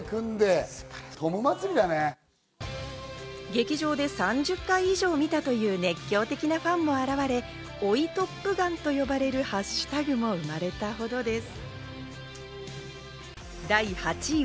劇場で３０回以上見たという熱狂的なファンも現れ、「＃追いトップガン」と呼ばれるハッシュタグも生まれたほどです。